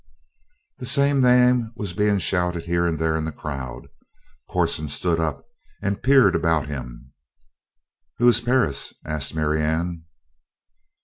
The same name was being shouted here and there in the crowd. Corson stood up and peered about him. "Who is Perris?" asked Marianne.